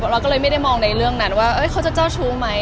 เราก็เลยไม่ได้มองในเรื่องนั้นว่าเขาจะเจ้าชู้ไหม